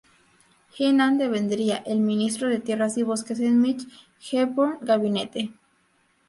Heenan Devendría el Ministro de Tierras y Bosques en Mitch Hepburn gabinete.